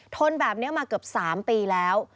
ทนแบบนี้มาเกือบ๓ปีแล้ว